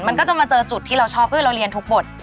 มันก็จะมาเจอจุดที่เราชอบคือเราเรียนทุกบท